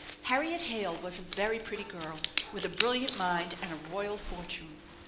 Harriet Hale was a very pretty girl with a brilliant mind and a royal fortune.